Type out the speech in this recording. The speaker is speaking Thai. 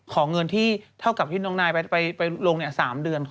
ของเงินที่เท่ากับที่น้องนายไปลง๓เดือน